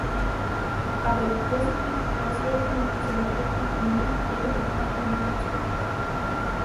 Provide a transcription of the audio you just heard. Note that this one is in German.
Aber die positiven Auswirkungen dieser Entwicklungen kommen nicht jedem in gleichem Maße zugute.